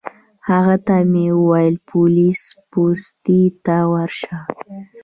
هغه ته مې وویل پولیس پوستې ته ورشه.